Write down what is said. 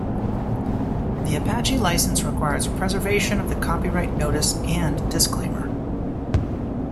The Apache License requires preservation of the copyright notice and disclaimer.